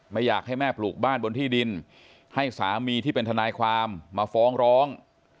ไม่อยากให้แม่ปลูกบ้านบนที่ดินให้สามีที่เป็นทนายความมาฟ้องร้อง